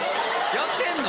やってんの？